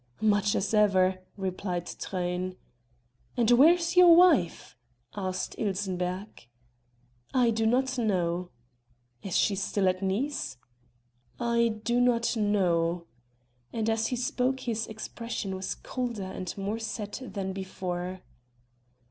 "Much as ever," replied Truyn. "And where is your wife?" asked Ilsenbergh. "I do not know." "Is she still at Nice?" "I do not know." And as he spoke his expression was colder and more set than before.